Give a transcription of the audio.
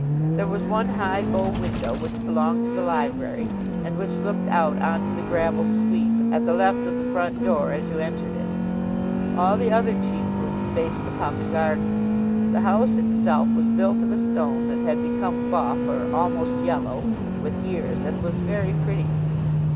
There was one high bow window, which belonged to the library, and which looked out on to the gravel sweep, at the left of the front door as you entered it. All the other chief rooms faced upon the garden. The house itself was built of a stone that had become buff, or almost yellow with years, and was very pretty.